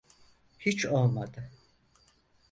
Hiç olmadı.